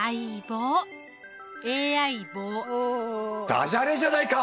ダジャレじゃないか！